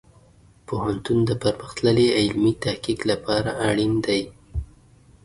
پوهنتون د پرمختللې علمي تحقیق لپاره اړین دی.